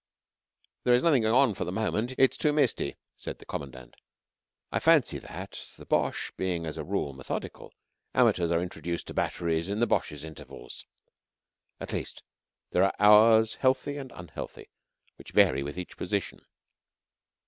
"There is nothing going on for the moment; it's too misty," said the Commandant. (I fancy that the Boche, being, as a rule methodical, amateurs are introduced to batteries in the Boche's intervals. At least, there are hours healthy and unhealthy which vary with each position.)